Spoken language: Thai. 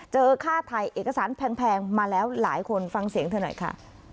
ค่าถ่ายเอกสารแพงมาแล้วหลายคนฟังเสียงเธอหน่อยค่ะ